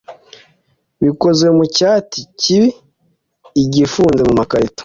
bikozwe mu cyati kibii gifunze mumakarito